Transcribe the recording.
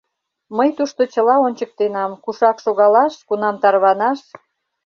- Мый тушто чыла ончыктенам: кушак шогалаш, кунам тарванаш...